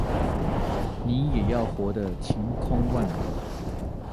你也要活得晴空萬里